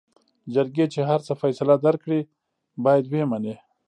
جرګې چې هر څه فيصله درکړې بايد وې منې.